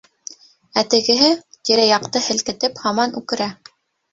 Ә тегеһе, тирә-яҡты һелкетеп һаман үкерә.